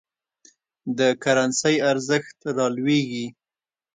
د کرنسۍ ارزښت رالویږي.